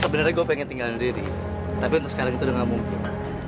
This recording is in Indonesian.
sebenarnya gue pengen tinggalin deddy tapi untuk sekarang itu udah gak mungkin